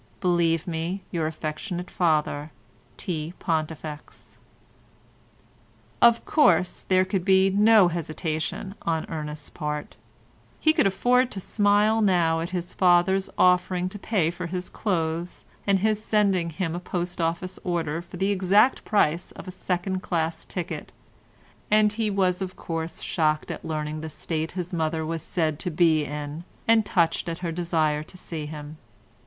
Believe me, Your affectionate father, T. PONTIFEX." Of course there could be no hesitation on Ernest's part. He could afford to smile now at his father's offering to pay for his clothes, and his sending him a Post Office order for the exact price of a second class ticket, and he was of course shocked at learning the state his mother was said to be in, and touched at her desire to see him.